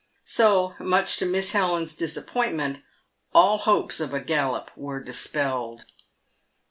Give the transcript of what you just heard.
So much to Miss Helen's disappointment, all hopes of a gallop were dispelled.